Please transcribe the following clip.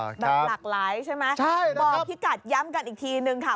ครับหลากหลายใช่ไหมใช่นะครับบอกพิกัดย้ำกันอีกทีหนึ่งค่ะ